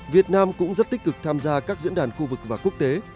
việt nam cũng rất tích cực tham gia các diễn đàn khu vực và quốc tế